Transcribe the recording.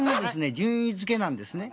順位付けなんですね。